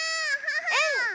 うん！